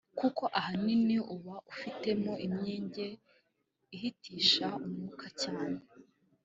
kuko ahanini uba ufitemo imyenge ihitisha umwuka cyane